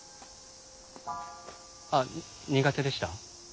あ苦手でした？